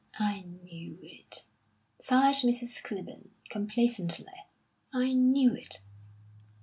"I knew it," sighed Mrs. Clibborn, complacently, "I knew it!"